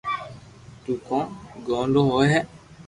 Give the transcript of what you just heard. تو ڪون گوڌو ھوئي ھي